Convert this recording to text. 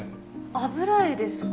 油絵ですか？